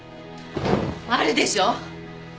あるでしょ！？